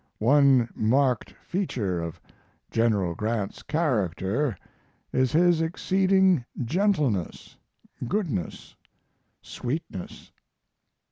One marked feature of General Grant's character is his exceeding gentleness, goodness, sweetness.